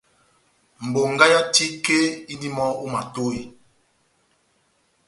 Bongá yá tike indini mɔ́ ó matohi.